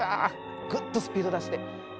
ぐっとスピード出して。